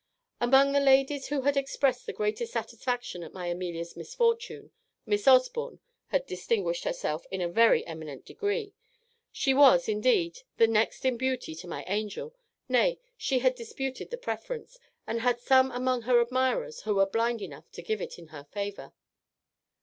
"Among the ladies who had expressed the greatest satisfaction at my Amelia's misfortune, Miss Osborne had distinguished herself in a very eminent degree; she was, indeed, the next in beauty to my angel, nay, she had disputed the preference, and had some among her admirers who were blind enough to give it in her favour."